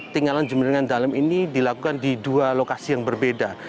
tinggalan jum'at dengan dalem ini dilakukan di dua lokasi yang berbeda